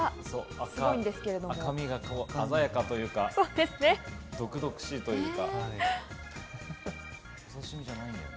赤みが鮮やかというか、毒々しいというか。